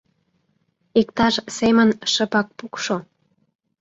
Иктаж семын шыпак пукшо.